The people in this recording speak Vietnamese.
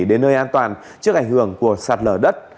đến nơi an toàn trước ảnh hưởng của sạt lở đất